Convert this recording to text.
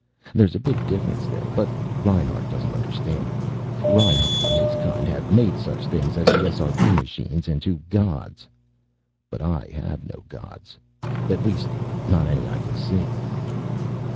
There's a big difference there, but Reinhart doesn't understand it. Reinhart and his kind have made such things as the SRB machines into gods. But I have no gods. At least, not any I can see."